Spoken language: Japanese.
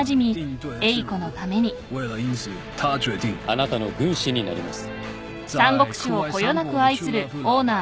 あなたの軍師になります。